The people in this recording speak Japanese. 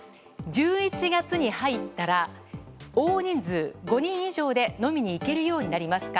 １１月に入ったら多人数５人以上で飲みに行けるようになりますか？